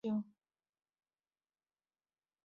能在这里待多久